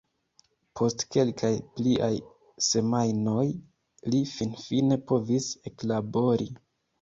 Post kelkaj pliaj semajnoj, ni finfine povis eklabori.